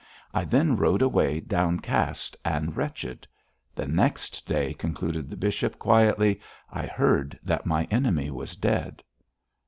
I then rode away downcast and wretched. The next day,' concluded the bishop, quietly, 'I heard that my enemy was dead.'